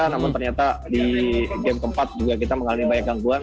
namun ternyata di game keempat juga kita mengalami banyak gangguan